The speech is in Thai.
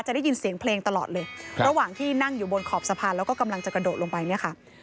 ได้ยินเสียงเพลงตลอดเลยระหว่างที่นั่งอยู่บนขอบสะพานแล้วก็กำลังจะกระโดดลงไปเนี่ยค่ะ